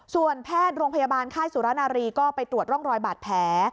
ส่วนแพทย์โรงพยาบาลค่ายสุรนารีก็ไปตรวจร่องรอยบาดแผล